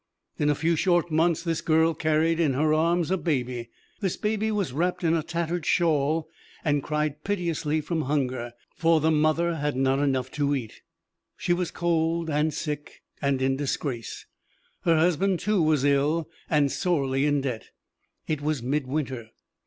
In a few short months this girl carried in her arms a baby. This baby was wrapped in a tattered shawl and cried piteously from hunger, for the mother had not enough to eat. She was cold, and sick, and in disgrace. Her husband, too, was ill, and sorely in debt. It was Midwinter.